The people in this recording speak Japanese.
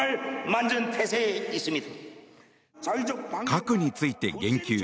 核について言及。